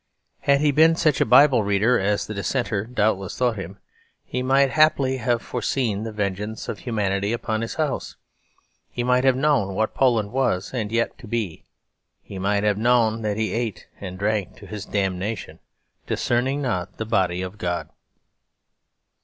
Had he been such a Bible reader as the Dissenter doubtless thought him, he might haply have foreseen the vengeance of humanity upon his house. He might have known what Poland was and was yet to be; he might have known that he ate and drank to his damnation, discerning not the body of God.